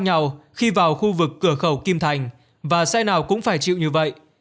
nhau khi vào khu vực cửa khẩu kim thành và xe nào cũng phải chịu như vậy